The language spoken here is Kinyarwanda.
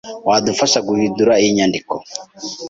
Wadufasha guhindura iyi nyandiko?